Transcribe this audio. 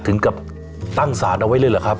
ถึงกับตั้งศาลเอาไว้เลยเหรอครับ